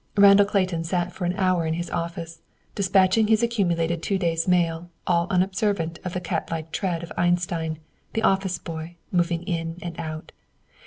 Randall Clayton sat for an hour in his office, dispatching his accumulated two days' mail, all unobservant of the cat like tread of Einstein, the office boy, moving in and out.